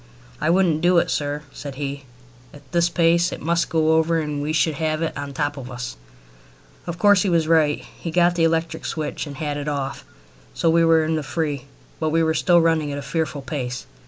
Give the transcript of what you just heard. "I wouldn't do it, sir," said he. "At this pace it must go over and we should have it on the top of us." Of course he was right. He got to the electric switch and had it off, so we were in the free; but we were still running at a fearful pace.